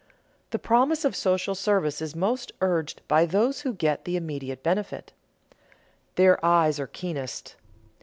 The promise of social service is most urged by those who get the immediate benefit. Their eyes are keenest.